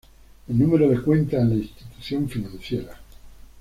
El número de cuenta en la institución financiera.